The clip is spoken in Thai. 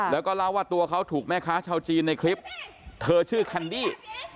แล้วก็เล่าว่าตัวเขาถูกแม่ค้าชาวจีนในคลิปเธอชื่อแคนดี้